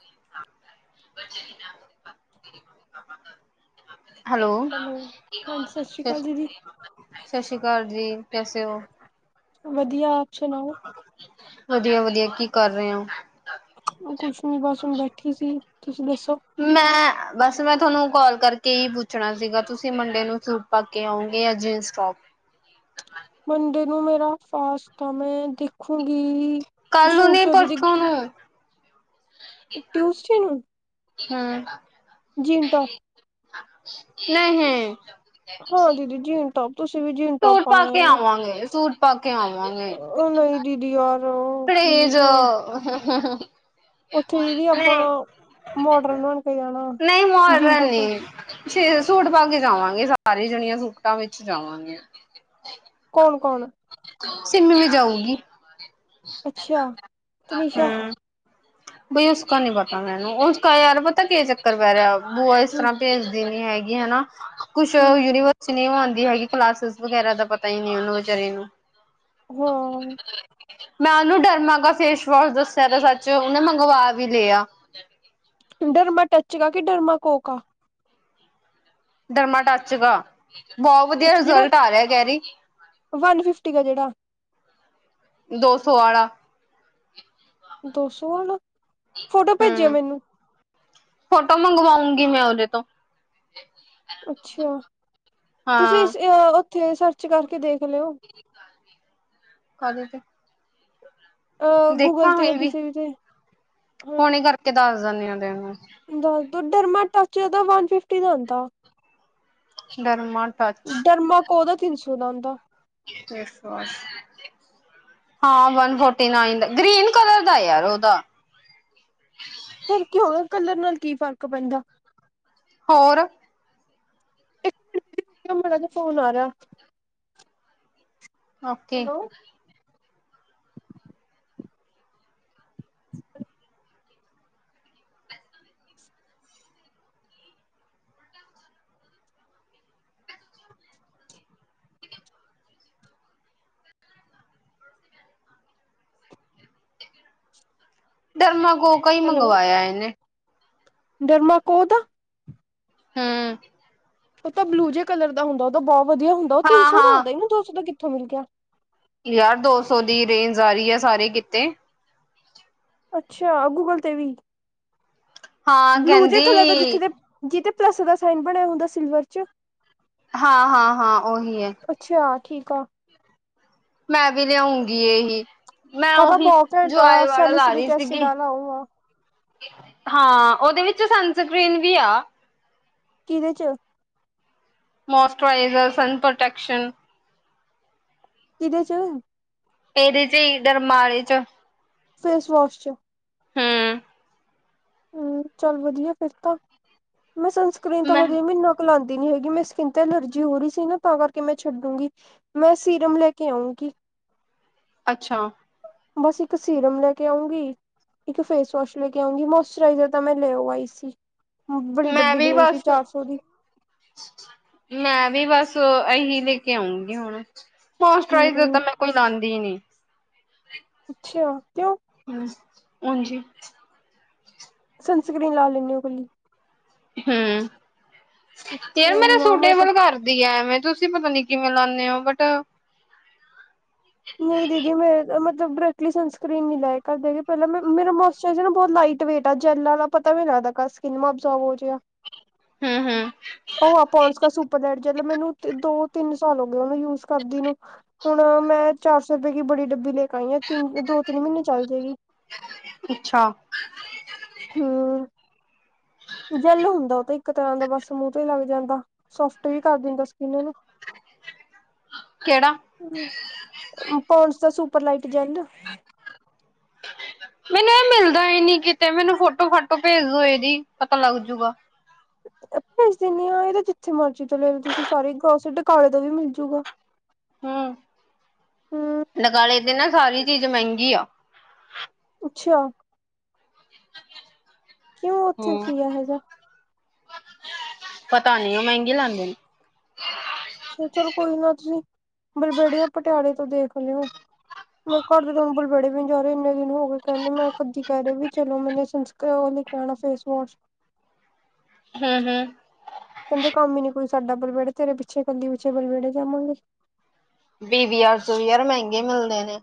ਮੀ ਪਾ। [unintelligible] ਹੈਲੋ, ਹਾਂਜੀ ਸਤਿ ਸ਼੍ਰੀ ਸਸ- ਅਕਾਲ ਦੀਦੀ ਸਤਿ ਸ੍ਰੀ ਅਕਾਲ ਜੀ। ਕੈਸੇ ਹੋ? ਵਧੀਆ ਆਪ ਸੁਣਾਓ? ਵਧੀਆ- ਵਧੀਆ ਕੀ ਕਰ ਰਹੇ ਹੋ? ਕੁਛ ਨੀ ਬਸ ਹੁਣ ਬੈਠੀ ਸੀ, ਤੁਸੀਂ ਦੱਸੋ? ਮੈਂ ਬਸ ਮੈਂ ਤੁਆਨੂੰ ਕਾਲ ਕਰਕੇ ਏ ਈ ਪੁੱਛਣਾ ਸੀਗਾ, ਤੁਸੀਂ ਮਡੇ ਨੂੰ ਸੂ ਪਾ ਕੇ ਆਉਂਗੇ ਜਾਂ ਜੀਨਸ ਟੋਪ ਮੰਡੇ ਨੂੰ ਮੇਰਾ ਫਾਸਟ‌ ਆ ਮੈਂ ਦੇਖੂੰਗੀ ਕੱਲ ਸੂਟ 'ਚ ਦੀ ਟਿਊਸਡੇ ਨੂੰ ਹੂੰ ਜੀਨ ਟੋਪ। ਨਹੀਂ। ਹਾਂ ਦੀਦੀ ਜੀਨ ਟੋਪ, ਤੁਸੀਂ ਵੀ ਜੀਨ ਟੋਪ ਸੂਟ ਪਾ ਪਾਏਂ ਕੇ ਆਇਓ। ਆਵਾਂਗੇ ਸੂਟ ਪਾ ਕੇ ਓ ਨਈ ਦੀਦੀ ਯਾਰ। [unintelligible] ਨਈ ਪਲੀਜ਼ ਉੱਥੇ ਦੀਦੀ ਆਪਾਂ ਮੋਡਰਨ ਬਣ ਕੇ ਜਾਣਾ -ਨ‌ਈ ਜੀਨ ਮੋਡਰਨ ਨੀ। ਟੋਪ ਅਛੇ ਜੇ ਸੂਟ ਪਾ ਕੇ ਜਾਵਾਂਗੇ, ਸਾਰੇ ਜਣੀਆਂ ਸੂਟਾਂ ਵਿੱਚ ਜਾਵਾਂਗੀਆਂ। ਕੌਣ ਕੌਣ। ਸਿੰਮੀ ਵੀ ਜਾਊਗੀ। ਅੱਛਾ ਤੇ ਨਿਸ਼ਾ- ਹਮ ਬਈ ਉਸਕਾ ਨੀ ਪਤਾ ਮੈਨੂੰ, ਉਸਕਾ ਯਾਰ ਪਤਾ ਕੀ ਚੱਕਰ ਪੈ ਰਿਆ ਬੂਆ ਇਸ ਹਮ ਤਰ੍ਹਾਂ ਭੇਜਦੀ ਨੀ। ਏ ਹੈਗੀ ਹਨਾ। ਕੁਛ ਹਮ ਯੂਨੀਵਰਸ ਨੀ ਓ ਆਂਦੀ ਹੈਗੀ ਕਲਾਸਿਸ ਵਗੈਰਾ ਦਾ ਪਤਾ ਨੀ ਓਨੂੰ ਵਿਚਾਰੀ ਨੂੰ। ਹਾਂ ਮੈਂ ਓਨੂੰ ਡਰਮਾਂ ਗਾ ਫੇਸ ਵਾਸ਼ ਦੱਸਿਆ ਦਾ ਸੱਚ, ਓਨੇ ਮੰਗਵਾ ਵੀ ਲਿਆ। ਡਰਮਾ ਟੱਚ ਗਾ ਕਿ ਡਰਮਾ ਕੋ ਕਾ। ਡਰਮਾ ਟੱਚ ਗਾ, ਬੋ ਵਧੀਆ ਅੱਛਾ ਜਿਹੜਾ ਰਿਜ਼ਲਟ ਆ ਰਿਆ ਕੈ ਰੀ। ਵਨ ਫਿਫਟੀ ਕਾ ਜੇੜਾ। ਦੋ ਸੌ ਆਲਾ। ਦੋ ਸੌ ਆਲਾ ਫੋਟੋ ਭੇਜਿਓ ਹਮ ਮੈਨੂੰ। ਫੋਟੋ ਮੰਗਵਾਊਂਗੀ ਮੈਂ ਓਦੇ ਤੋਂ। ਅੱਛਾ ਤੁਸੀਂ ਹਾਂ ਇਸ ਓਥੇ ਸਰਚ ਕਰਕੇ ਦੇਖ ਲਿਓ। ਕਾਦੇ ਤੇ। ਅ ਗੂਗਲ ਤੇ ਕਿਸੇ ਵੀ ਤੇ। ਹਾਂ ਹਣੇ ਕਰਕੇ ਦੱਸ ਦੇਨੀ ਆ ਤੇਨੂੰ। ਦੱਸ ਦੁ ਡਰਮਾ ਟੱਚ ਦਾ ਵਨ ਫਿਫਟੀ ਦਾ ਆਉਂਦਾ। Derma touch. ਡਰਮਾ ਕੋ ਦਾ ਤਿੰਨ ਸੌ ਦਾ ਆਂਦਾ। Face wash. ਹਾਂ ਵਨ ਫੋਰਟੀ ਨਾਈਨ ਦਾ, ਗ੍ਰੀਨ ਕਲਰ ਦਾ ਯਾਰ ਓ ਤਾਂ। ਫੇਰ ਕੀ ਹੋ ਗਿਆ ਕਲਰ ਨਾਲ ਕੀ ਫ਼ਰਕ ਪੈਂਦਾ। ਹੋਰ ਇੱਕ ਮਿੰਟ ਰੁਕ ਜੋ ਮਾੜਾ ਜਿਆ ਫੋਨ ਆ ਰਿਆ। ਓਕੇ ਹੈਲੋ ਡਰਮਾ ਕੋੋਕ ਕਾ ਈ ਮੰਗਵਾਇਆ ਏਨੇ। ਡਰਮਾ ਕੋੋ ਦਾ। ਹੂੰ ਓ ਤਾਂ ਬਲੂ ਜੇ ਕਲਰ ਦਾ ਹੁੰਦਾ, ਓ ਤਾਂ ਬੋ ਵਧੀਆ ਹੁੰਦਾ। ਓ ਤਿੰਨ ਹਾਂ ਸੌ ਦਾ ਹਾਂ ਆਂਦਾ ਨੀ ਦੋ ਸੌ ਦਾ ਕਿਥੋਂ ਮਿਲ ਗਿਆ। ਯਾਰ ਦੋ ਸੌ ਦੀ ਰੇਂਜ ਆ ਰੀ ਐ ਸਾਰੇ ਕਿਤੇ। ਅੱਛਾ ਗੂਗਲ ਤੇ ਵੀ। ਹਾਂ ਬਲੂ ਜੇ ਕਹਿੰਦੀ ਕਲਰ ਦਾ ਜਿਥੇ ਜੇ ਪਲਸ ਦਾ ਸਾਇਨ ਬਣਿਆ ਹੁੰਦਾ ਸਿਲਵਰ 'ਚ। ਹਾਂ, ਹਾਂ, ਹਾਂ! ਉਹੀ ਹੈ। ਅੱਛਾ, ਠੀਕ ਆ! ਮੈਂ ਵੀ ਲਿਆਉਂਗੀ ਇਹੀ। ਮੈਂ ਉਹਦਾ ਉਹੀ ਬਹੁਤ ਘੈਂਟ ਜੋਆਏ ਆ ਵਾਲਾ ਲਾ ਰਹੀ ਸੈਲੀਸਿਲਿਕ ਐਸਿਡ ਸੀਗੀ! ਆਲਾ ਉਹ ਆ ਹਾਂ, ਉਹਦੇ ਵਿੱਚ ਸਨਸਕ੍ਰਰੀਨ ਵੀ ਆ! ਕਿਹਦੇ ਚ? ਮੋਇਸਚਰਾਈਜ਼ਰ ਸਨ ਪ੍ਰੋਟੈਕਸ਼ਨ ਕਿਦੇ ਚ? ਇਹਦੇ ਚ ਇਧਰ ਮਾਰੇੇ ਚ ਫੇਸ ਵਾਸ਼ ਚ ਹਮ। ਹਮ, ਚੱਲ ਵਧੀਆ ਫੇਰ ਤਾਂ ਮੈਂ ਸਨਸਕਰੀਨ ਤਾਂ ਮੈਂ ਹਜੇ ਮਹੀਨ ਲਾਉਂਦੀ ਨੀ ਹੈਗੀ, ਮੇਰੀ ਸਕਿੰਨ ਤੇ ਅਲਰਜੀ ਹੋ ਰਹੀ ਸੀ ਨਾ, ਤਾਂ ਕਰਕੇ ਮੈਂ ਛੱਡੂੰਗੀ। ਮੈਂ ਸੀਰਮ ਲੈ ਕੇ ਆਉਂਗੀ। ਅੱਛਾ। ਬਸ, ਇੱਕ ਸੀਰਮ ਲੈ ਕੇ ਆਉਂਗੀ, ਇੱਕ ਫੇਸ ਵਾਸ਼ ਲੈ ਕੇ ਆਉਂਗੀ, ਮੋਸ ਮੋਇਸਚਰਾਈਜ਼ਰ ਤਾਂ ਮੈਂ ਲੈਓ ਆਈ ਸੀ, ਬੜੀ ਮੈਂ ਡੱਬੀ ਵੀ ਲੈ ਆਈ ਸੀ, ਬਸ ਚਾਰ ਸੌ ਦੀ। ਮੈਂ ਵੀ ਬਸ ਇਹੀ ਲੈ ਕੇ ਆਉਂਗੀ ਹੁਣ। ਮੋਇਸਚਰਾਈਜ਼ਰ ਹੂੰ ਤਾਂ ਮੈਂ ਕੋਈ ਲਾਉਂਦੀ ਹੀ ਨਹੀ। ਅੱਛਾ, ਕਿਉ? ਉੰਝ ਹੀ। ਸਨਸਕਰੀਨ ਲਾ ਲੈਂਦੇ ਹੋ ਇਕੱਲੀ? ਹਮ, ਯਾਰ ਮੇਰਾ ਨਾ ਮੈਂ ਤਾਂ ਸੂਟੇਬਲ ਕਰ ਦੀ ਹੈ, ਐਵੇਂ ਤੁਸੀਂ ਪਤਾ ਨਹੀ ਕਿਵੇਂ ਲਾਉਣੇ ਹੋ ਬਟ ਨਹੀਂ ਦੀਦੀ ਮੇ ਅ ਮਤਲਬ ਡਾਇਰੈਕਟਲੀ ਸਨਸਕਰੀਨ ਨੀ ਲਾਇਆ ਕਦੇ ਵੀ ਪਹਿਲਾਂ ਮੈਂ ਮੇਰਾ ਮੌਸ਼ ਛੇਅਜ਼ੇ ਨਾ ਬਹੁਤ ਲਾਈਟ ਵੇਟ ਆ, ਜੈਲ ਵਾਲਾ, ਪਤਾ ਵੀ ਨੀ ਲੱਗਦਾ ਕਦ ਸਕਿਨ ਮਾ ਅਬਜੋਰਵ ਹੋ ਜਿਆ ਹਮ ਹਮ। ਉਹ ਆ ਪੋਂਡਸ ਕਾ ਸੁਪਰ ਲਾਈਟ ਜੈਲ, ਮੈਨੂੰ ਦੋ-ਤਿੰਨ ਸਾਲ ਹੋਗੇ ਉਹਨੂੰ ਯੂਜ ਕਰਦੀ ਨੂੰ। ਹੁਣ ਮੈਂ ਚਾਰ ਸੌ ਰੁਪਏ ਕਿ ਬੜੀ ਡੱਬੀ ਲੈ ਕੇ ਆਈ ਆ, ਤਿੰਨ, ਦੋ-ਤਿੰਨ ਮਹੀਨੇ ਚੱਲ ਜਾਏਗੀ। ਅੱਛਾ। ਹਮ। ਜੈਲ ਹੁੰਦਾ, ਉਹ ਤਾਂ ਇੱਕ ਤਰ੍ਹਾਂ ਦਾ ਬਸ ਮੂਹ ਵੀ ਲੱਗ ਜਾਂਦਾ, ਸੋਫਟ ਵੀ ਕਰ ਦਿੰਦਾ ਸਕਿਨ ਨੂੰ! ਕਿਹੜਾ? ਆਹ ਪੋਨਡਸ ਦਾ ਸੁਪਰ ਲਾਈਟ ਜੈਲ। ਮੈਨੂੰ ਇਹ ਮਿਲਦਾ ਹੀ ਨੀ ਕਿਤੇ, ਮੈਨੂੰ ਫੋਟੋ-ਫਾਟੋ ਭੇਜ ਦੋ ਇਹਦੀ, ਪਤਾ ਲੱਗ ਜੂਗਾ। ਭੇਜ ਦਿਨੀਂ ਹਾਂ, ਇਹ ਤਾਂ ਜਿੱਥੇ ਮਰਜ਼ੀ ਤੋਂ ਲੈ ਲਓ ਤੁਸੀਂ, ਸਾਰੇ ਗਰੋਸਰੀ ਡੂਕਾਲੇ ਤੋਂ ਵੀ ਮਿਲਜੂਗਾ। ਹਮ, ਹਮ ਨਕਾਲੇ ਦੀ ਨਾ ਸਾਰੀ ਚੀਜ਼ ਮਹਿੰਗੀ ਆ। ਅੱਛਾ। ਕਿਉਂ ਉੱਥੇ ਹੂੰ ਕੀ ਆ ਇਹੋ ਜਿਹਾ? ਪਤਾ ਨੀ ਉਹ ਮਹਿੰਗੀ ਲਾਂਦੇ ਨੇ। ਅੱਛਾ, ਚਲੋ ਕੋਈ ਨਾ, ਤੁਸੀਂ ਬਲਬੇੜੀਆ, ਪਟਿਆਲੇ ਤੋਂ ਦੇਖ ਲਿਓ। ਮੇਰੇ ਘਰ ਦੇ ਬਲਬੜੇ ਵੀ ਨਹੀਂ ਜਾ ਰਹੇ ਇੰਨੇ ਦਿਨ ਹੋ ਗਏ ਕਹਿੰਦੇ ਮੈਂ ਕੱਦ ਦੀ ਕਹਿ ਰਹੀ ਵੀ ਚਲੋ ਮੈਨੇ ਸੰਨ ਤੇ ਉਹ ਲੈ ਕੇ ਆਉਣਾ ਫੇਸ ਵਾਸ਼। ਹਮ ਹਮ। ਕਹਿੰਦੇ ਕੰਮ ਹੀ ਨੀ ਕੋਈ ਸਾਡਾ ਬਲਬੜੇ ਤੇਰੇ ਪਿੱਛੇ ਇਕੱਲੀ ਪਿੱਛੇ ਬਲਬੇੜੇ ਜਾਵਾਂਗੇ। ਪੀ ਵੀ ਆਰ ਤੋਂ ਵੀ ਯਾਰ ਮਹਿੰਗੇ ਮਿਲਦੇ ਨੇ।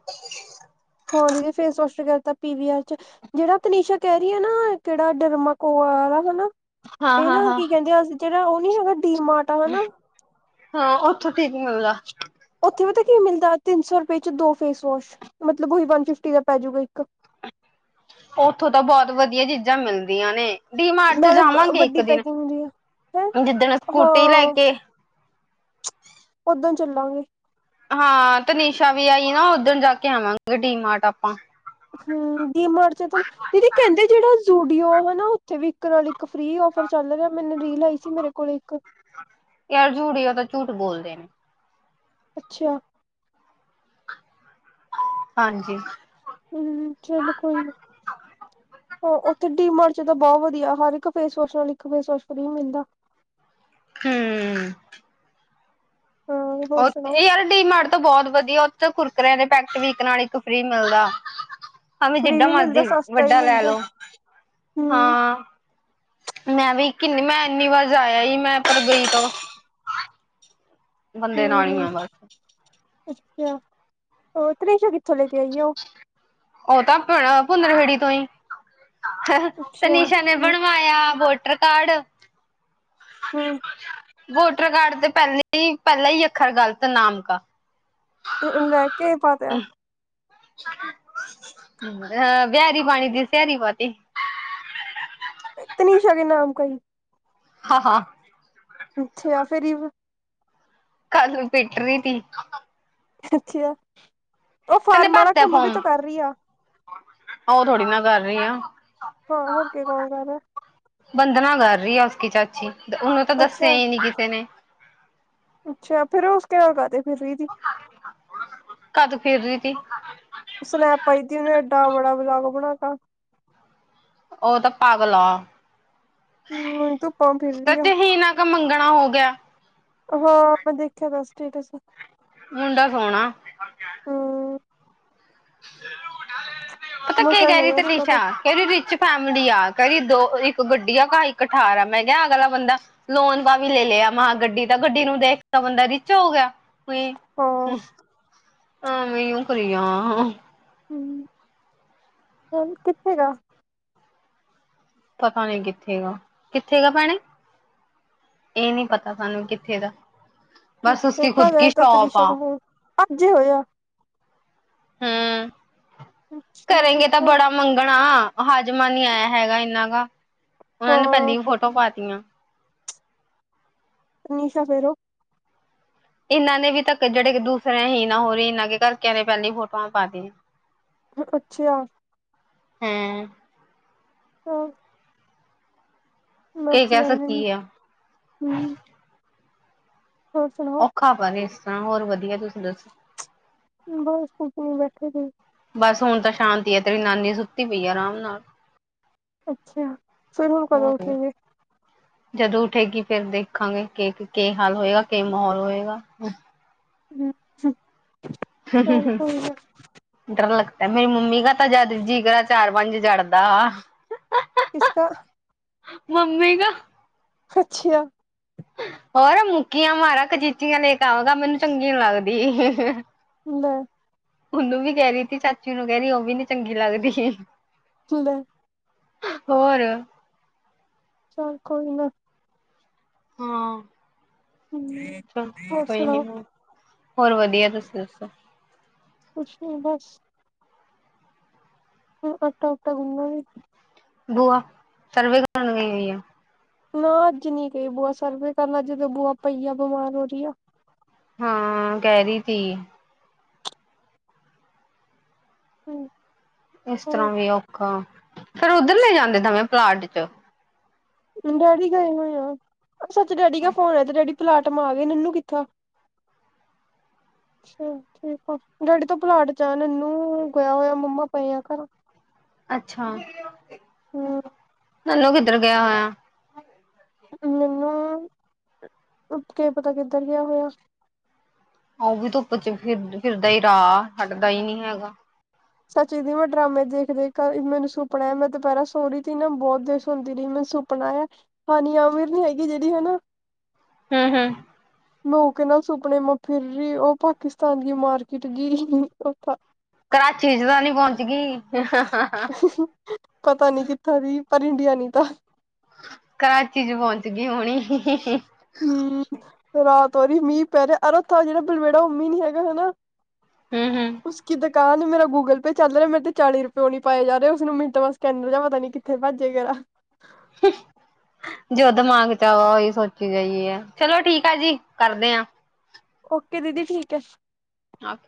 ਹਾਂ ਦੀਦੀ ਫੇਸ ਵੋਸ਼ ਤਾਂ ਜਿਆਦਾ ਤਰ ਪੀ ਵੀ ਆਰ 'ਚ ਜਿਹੜਾ ਤਨੀਸ਼ਾ ਕਹਿ ਰਹੀ ਆ ਨਾ ਕਿਹੜਾ ਡਰਮਾ ਕੋਆ ਵਾਲਾ ਹਨਾ। ਏ ਨਾ ਹਾਂ-ਹਾਂ-ਹਾਂ। ਕੀ ਕਹਿੰਦੇ ਅਸੀ ਜਿਹੜਾ ਓ ਨੀ ਹੈਗਾ ਡੀ ਮਾਰਟ ਆ ਹਨਾ। ਹਾਂ ਉੱਥੋਂ ਠੀਕ ਮਿਲਦਾ। ਓਥੇ ਪਤਾ ਕੀ ਮਿਲਦਾ ਤਿੰਨ ਸੌ ਰੁਪਏ 'ਚ ਦੋ ਫੇਸ ਵਾਸ਼ ਮਤਲਬ ਉਹੀ ਵਨ ਫਿਫਟੀ ਦਾ ਪੈਜੂਗਾ ਇੱਕ। ਉੱਥੋਂ ਤਾਂ ਬਹੁਤ ਵਧੀਆ ਚੀਜ਼ਾਂ ਮਿਲਦੀਆਂ ਨੇ। ਡੀ ਮਾਰਟ 'ਚ ਨਾਲੇ ਜਾਵਾਂਗੇ ਵੱਡੀ ਇੱਕ ਦਿਨ ਪੈਕਿੰਗ ਹੁੰਦੀ ਆ ਹੈਂ ਜਿੱਦਣ ਹਾਂ ਸਕੂਟੀ ਲੈ ਕੇ। ਓਦਨ ਚੱਲਾਂਗੇ। ਹਾਂ ਤਨਿਸ਼ਾ ਵੀ ਆਈ ਨਾ ਉੱਧਣ ਜਾ ਕੇ ਆਵਾਂਗੇ ਡੀਮਾਰਟ ਆਪਾਂ। ਹੂੰ ਡੀਮਾਰਟ 'ਚ ਤਾਂ ਨੀ ਦੀਦੀ ਕਹਿੰਦੇ ਜਿਹੜਾ ਜੂਡੀਓ ਹਨਾ ਓਥੇ ਵੀਕਣ ਵਾਲੀ ਇੱਕ ਫ੍ਰਰੀ ਔਫਰ ਚੱਲ ਰਿਹਾ ਮੈਨੇ ਰੀਲ ਆਈ ਸੀ ਮੇਰੇ ਕੋਲ ਇੱਕ ਯਾਰ ਜੂਡੀਓ ਤਾਂ ਝੂਠ ਬੋਲਦੇ ਨੇ ਅੱਛਾ। ਹਾਂਜੀ। ਹੂੰ ਚਲ ਕੋਈ ਨੀ। ਹਾਂ ਓਥੇ ਡੀਮਾਰਟ 'ਚ ਤਾਂ ਬਹੁਤ ਵਧੀਆ ਹਰ ਇੱਕ ਫੇਸ ਵੋਸ਼ ਨਾਲ ਇੱਕ ਫੇਸ ਵੋਸ਼ ਫਰੀ ਮਿਲਦਾ ਹੂੰ। ਹਾਂ ਹੋਰ ਓਥੇ ਸੁਣਾਓ ਏ ਯਾਰ ਡਟੀਮਾਰਟ ਤੋਂ ਬਹੁਤ ਵਧੀਆ ਓਥੇ ਕੁਰਕੁਰਿਆਂ ਦੇ ਪੈਕਟ ਵੀ ਇੱਕ ਨਾਲ ਇੱਕ ਫ੍ਰਰੀ ਮਿਲਦਾ ਹਵੇ ਫ੍ਰਰੀ ਜਿਡਾ ਵੀ ਮਿਲਦਾ ਮਰਜ਼ੀ ਸਸਤਾ ਵੀ ਵੱਡਾ ਲੈ ਮਿਲਦਾ ਲੋ ਹਮ ਹਾਂ ਮੈਂ ਵੀ ਕਿੰਨੀ ਮੈਂ ਇੰਨੀ ਵਾਰ ਜਾ ਆਈ ਮੈਂ ਪਰ ਗਈ ਤੋਂ ਬੰਦੇ ਨਾਲ ਹੀ ਹਮ ਮੈਂ ਬਸ। ਅੱਛਾ, ਓ ਤਨੇਸ਼ਾ ਕਿੱਥੋਂ ਲੈ ਕੇ ਆਈਏ ਓ? ਓ ਤਾਂ ਆਪ ਭੁੰਨ ਫੇੜੀ ਤੋਂ ਹੀ ਅੱਛਾ ਤੀਨਸ਼ਾ ਨੇ ਹਮ ਬਣਵਾਇਆ ਵੋਟਰ ਕਾਰਡ ਵੋਟਰ ਕਾਰਡ ਤੇ ਪਹਿਲੇ ਹੀ ਪਹਿਲਾਂ ਹੀ ਅੱਖਰ ਗਲਤ ਨਾਮ ਕਾ ਓ ਉਹ ਲੈ ਕੇ ਪਾ ਤਿਆ ਔਰ ਵਿਹਰੀ ਪਾਨੀ ਤੀ ਸਿਆਰੀ ਪਾਤੀ ਐ ਤਨੀਸ਼ਾ ਕੇ ਨਾਮ ਕਾ ਹੀ ਹਾਂ, ਹਾਂ। ਅੱਛਾ ਫੇਰ ਕੱਲ ਪਿੱਟ ਰਹੀ ਤੀ ਅੱਛਾ ਓ ਫਾਰਮਾਂ ਦਾ ਕੰਮ ਵੀ ਤੋਂ ਕਰ ਰਹੀ ਆ ਓ ਥੋੜੀ ਨਾ ਕਰ ਰਹੀ ਆ ਹਾਂ ਹੋੁ ਕੀ ਕੋਣ ਕਰ ਰਿਹਾ ਬੰਧਨਾ ਕਰ ਰਹੀ ਆ ਉਸਕੀ ਚਾਚੀ ਉਨੂੰ ਤਾਂ ਦੱਸਿਆ ਅੱਛਾ ਹੀ ਨੀ ਕਿਸੇ ਨੇ ਅੱਛਾ ਫਿਰ ਓ ਉਸਕੇ ਨਾਲ ਕਰਾ ਰਹੀ ਫਰੀ ਦੀ ਕਦ ਫਿਰ ਰਹੀ ਤੀ ਸਨੈਪ ਪਾਈ ਤੀ ਉਹਨੇ ਐਏਡਾ ਬੜਾ ਵਲੋਗ ਬਣਾ ਤਾ ਉਹ ਤਾਂ ਪਾਗਲ ਆ ਹੂੰ ਉਹੀ ਧੁੱਪਾਂ ਫਿਰ ਤੇ ਰਹੀ ਆ ਚਹੀਨਾ ਕਾ ਮੰਗਣਾ ਹੋ ਗਿਆ ਹਾਂ ਮੈਂ ਦੇਖਿਆ ਤਾਂ ਸਟੇਟਸ ਮੁੰਡਾ ਸੋਣਾ। ਹੂੰ ਪਤਾ ਕੀ ਮਸਾ ਹੀ ਕੈ ਰੀ ਹੋਇਆ ਉਸਕਾ ਤਨਿਸ਼ਾ ਤੋ ਕੈਂਦੀ ਰਿਚ ਫੈਮਲੀ ਆ ਕਹਦੀ ਦੋ ਇੱਕ ਗੱਡੀ ਆ ਕਰ ਇੱਕ ਠਾਰ ਆ ਮੈਂ ਕੈਹਾ ਅਗਲਾ ਬੰਦਾ ਲੋਨ ਦਾ ਵੀ ਲੈ ਲਿਆ ਮਾਹ ਗੱਡੀ ਤਾਂ ਗੱਡੀ ਨੂੰ ਦੇਖ ਤਾਂ ਬੰਦਾ ਰਿਚ ਹੋ ਗਿਆ। ਹਾਂ ਆਹ ਮੈਂ ਈ ਓ ਕਰੀ ਜਾਵਾਂ ਹਮ ਚੱਲ ਕਿੱਥੇ ਗਾ ਪਤਾ ਨੀ ਕਿੱਥੇਗਾ, ਕਿੱਥੇਗਾ ਪੈਣੇ ਏਹ ਨੀ ਪਤਾ ਸਾਨੂੰ ਕਿੱਥੇ ਦਾ ਬਸ ਉਸਕੀ ਖੁਦ ਕਦ ਕੀ ਆਇਆ ਤਾ ਸ਼ੌਪ ਤਨੀਸ਼ਾ ਆ, ਕਾ ਫੋਨ ਅੱਜ ਹੀ ਹੋਇਆ ਹੂੰ। ਅੱਛਾ ਕਰੇਗੇ ਤਾਂ ਅੱਛਾ ਬੜਾ ਮੰਗਣਾ, ਹਾਜ਼ਮਾਂ ਨੀ ਆਯਾ ਹੈਗਾ ਏਨਾ ਗਾ ਓਨਾਂ ਨੇ ਹਾਂ ਪੈਲੀ ਫੋਟੋ ਪਾਤੀਆਂ ਤਨਿਸਾ ਫੇਰ ਓ ਏਨਾਂ ਨੇ ਵੀ ਤੱਕ ਜੇੜੇ ਕੇ ਦੂਸਰਿਆਂ ਹੀ ਨਾ ਹੋ ਰਹੀ ਏਨਾਂ ਕੇ ਘਰ ਕੈਅ ਰੇ ਨੇ ਪੈਲੀ ਫੋਟੋਆਂ ਪਾਤੀ ਮ ਅੱਛੀ ਆ ਹੈ ਹਾਂ ਕੀ ਕੈਅ ਆ ਉਹਨਾਂ ਸਕਤੀ ਦੀ। ਯਾਂ। ਹੂੰ ਹੋਰ ਸੁਣਾ ਖਾ ਪਾ ਰੇ ਇਸ ਤਰ੍ਹਾਂ ਹੋਰ ਵਧੀਆ ਤੁਸੀਂ ਦੱਸੋ ਬਸ ਕੁਝ ਨੀ ਬੈਠੇ ਸੀ। ਬਸ ਹੁਣ ਤਾਂ ਸ਼ਾਂਤੀ ਆ ਤੇਰੀ ਨਾਨੀ ਸੁੱਤੀ ਪਈ ਆ ਆਰਾਮ ਨਾਲ ਅੱਛਾ, ਫਿਰ ਹੁਣ ਕਦੋਂ ਹੋਰ ਓਠੇਗੇ? ਜਦੋਂ ਓਠੇਗੀ ਫੇਰ ਦੇਖਾਂਗੇ ਕੇ ਕੀ ਕੇ ਹਾਲ ਹੋਏਗਾ ਕਿ ਮਾਹੌਲ ਹੋਏਗਾ? [unintelligible] ਕੋਈ ਨਾ ਡਰ ਲਗਤਾ ਐ ਮੇਰੀ ਮੰਮੀ ਕਾ ਤਾਂ ਜਦ ਜੀ ਕਰਾ ਚਾਰ-ਪੰਜ ਜੜ੍ਹਦਾ ਆ। ਕਿਸਕਾ ਮੰਮੀ ਨਾ ਅੱਛੀਆ ਹੋਰ ਮੁੱਕੀਆਂ ਮਾਰਾ ਕਚੀਚੀਆਂ ਲੈ ਕੇ ਆਵਗਾ ਮੈਨੂੰ ਚੰਗੀ ਨੀ ਲੱਗਦੀ। ਲੈ ਓਨੂੰ ਵੀ ਕੈ ਰੀ ਥੀ ਚਾਚੀ ਨੂੰ ਕੈ ਰੀ ਓਹ ਵੀ ਨੀ ਚੰਗੀ ਲੱਗਦੀ। ਲੈ ਹੋਰ ਚੱਲ ਕੋਈ ਨਾ ਹਾਂ। ਹਮ, ਚਲ, ਹੋਰ ਕੋਈ ਸੁਣਾਓ ਨੀ ਹੋਰ, ਹੋਰ ਵਧੀਆ ਤੁਸੀਂ ਦੱਸੋ। ਕੁਛ ਨਈ ਬਸ ਹੋਰ ਆਟਾ ਉਟਾ ਗੁਨ ਲਿਆ ਜੀ ਬੂਆ, ਸਰਵੇ ਕਰਨ ਗਈ ਹੋਈ ਆ। ਨਾ ਅੱਜ ਨੀ ਗਈ ਬੂਆ ਸਰਵੇ ਕਰਨਾ ਅੱਜ ਤੇ ਬੁਆ ਪਈ ਆ ਬੁਮਾਰ ਹੋ ਰਈ ਆ। ਹਾਂ ਕੈ ਰੀ ਤੀ ਹਾਜ ਇਸ ਤਰ੍ਹਾਂ ਵੀ ਔਖਾ, ਫੇਰ ਓਧਰ ਨੀ ਜਾਂਦੇ ਦਵੇਂ ਪਲਾਟ ਚ ਡੈਡੀ ਗਏ ਹੋਏ ਆ, ਸੱਚ ਡੈਡੀ ਕ ਫੋਨ ਆਯਾ ਤੇ ਡੈਡੀ ਪਲਾਟਮ ਆ ਗਏ ਨਨੂੰ ਕਿੱਥੇ ਆ। ਠੀਕ ਆ ਡੈਡੀ ਤੋਂ ਪਲਾਟ ਜਾ ਨਨੂੰ ਗਿਆ ਹੋਇਆ ਮੰਮਾ ਪਏ ਆ ਘਰ। ਅੱਛਾ। ਹਮ ਨਾਨੂੰ ਕਿੱਧਰ ਗਿਆ ਹੋਇਆ? ਮੈਨੂੰ, ਕੀ ਪਤਾ ਕਿੱਧਰ ਗਿਆ ਹੋਇਆ। ਉਹ ਵੀ ਧੁੱਪ ਚ' ਫਿਰ ਫਿਰਦਾ ਹੀ ਰਾਹ ਡਦਾ ਹੀ ਨੀ ਹੈਗਾ। ਸੱਚੀ ਦੀ ਮੈਂ ਡਰਾਮੇ ਦੇਖ-ਦੇਖ ਮੈਨੂੰ ਸੁਪਨਾ ਮੈਂ ਦੁਪਹਿਰਾ ਸੋਹਰੀ ਤੇ ਹੀ ਨਾ ਬਹੁਤ ਦੁਸ਼ ਹੁੰਦੀ ਰਹੀ ਮੈ ਸੁ ਆਪਣਾ, ਹੈ ਹਾਨੀ ਅਮੀਰ ਨੀ ਹੈਗੀ ਜਿਹੜੀ ਹਨਾ। ਹਮ-ਹਮ। ਲੋਕ ਕੇ ਨਾਲ ਸੁਪਨੇ ਮ ਫਿਰ ਉਹ ਪਾਕਿਸਤਾਨ ਦੀ ਮਾਰਕੀਟ ਗ ਥ ਕਰਾਚੀ 'ਚ ਤਾਂ ਨੀ ਪਹੁੰਚ ਗਈ। ਪਤਾ ਨੀ ਕਿੱਥੋਂ ਦੀ ਪਰ ਇੰਡੀਆ ਨੀ ਤਾਂ। ਕਰਾਚੀ 'ਚ ਪਹੁੰਚ ਗਈ ਹੁਣੀ। ਹਮ, ਰਾਤ ਹੀ ਮੀਂਹ ਪੈ ਰਿਹਾ ਅਰੋ ਥ ਜਿਹੜਾ ਬਲਮੇੜਾ ਉਹ ਮਂ ਨੀ ਹੈਗਾ ਹਨਾ। ਹਮ-ਹਮ। ਉਸਦੀ ਦੁਕਾਨ ਮੇਰਾ ਗੂਗਲ ਪੇਅ ਚੱਲ ਰਿਹਾ ਮੇਰੇ ਤੇ ਚਾਲੀ ਰੁਪਏਓ ਨੀ ਪਾਏ ਜਾ ਰਹੇ ਉਸਨੂੰ ਮਿੰਟ ਸਕੈਨਰ ਜਾਂ ਪਤਾੀ ਕੀਤਾ ਉਥੇ ਭੱਜੇ ਗਿਆ। ਜੋ ਦਿਮਾਗ ਚਲ ਉਹੀ ਸੋਚੀ ਗਈ ਹੈ ਚਲੋ ਠੀਕ ਆ ਜੀ ਕਰਦੇ ਹਾਂ। ਓਕੇ ਦੀਦੀ ਠੀਕ ਹੈ। ਨੱਥ।